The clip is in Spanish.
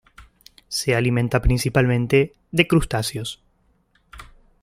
Se alimenta principalmente de crustáceos.